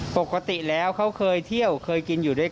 ปกติแล้วเขาเคยเที่ยวเคยกินอยู่ด้วยกัน